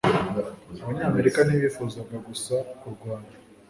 Abanyamerika ntibifuzaga gusa kurwana